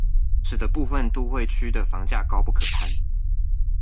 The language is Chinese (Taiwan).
使得部分都會區的房價高不可攀